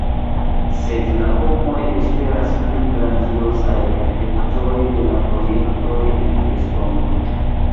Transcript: Sed la homoj esperas pri grandiozaj efektoj de la projektoj en estonto.